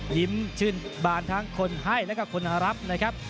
ยิ้มชื่นบานทั้งคนให้แล้วก็คนรับนะครับ